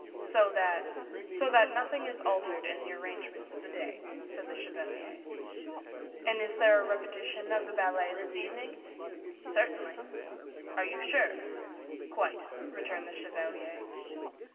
"So that " "So that nothing is altered in the arrangements of the day," said the chevalier. "And is there a repetition of the ballet this evening?" "Certainly." "Are you sure?" "Quite," returned the chevalier.